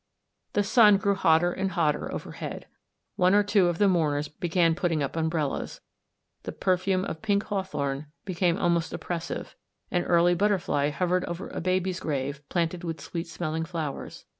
The sun grew hotter and hotter overhead. One or two of the mourners began putting up umbrellas. The perfume of pink haw thorn became almost oppressive; an early butterfly lighted on a baby's grave planted with sweet smelling flowers.